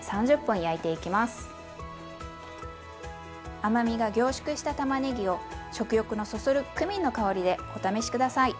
甘みが凝縮したたまねぎを食欲のそそるクミンの香りでお試し下さい！